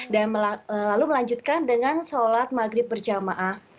dan lalu melanjutkan dengan sholat maghrib berjamaah